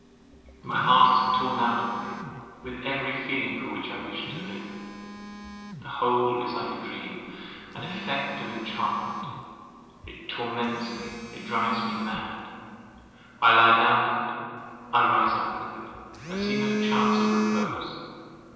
My heart is torn out of me, with every feeling for which I wished to live. The whole is like a dream, an effect of enchantment; it torments me, and it drives me mad. I lie down with it; I rise up with it; and see no chance of repose.